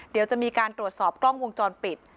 เดี๋ยวจะมีการตรวจสอบกล้องวงจรปิด